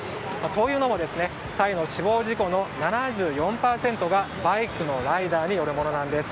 というのもタイの死亡事故の７４％がバイクのライダーによるものなんです。